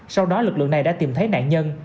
sau đó lực lượng này đã tìm thấy nạn nhân